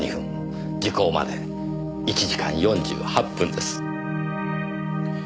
時効まで１時間４８分です。